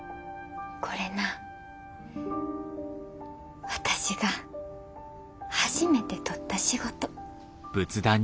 これな私が初めて取った仕事。